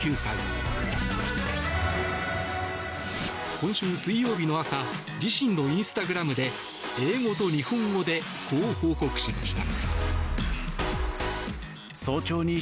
今週水曜日の朝自身のインスタグラムで英語と日本語でこう報告しました。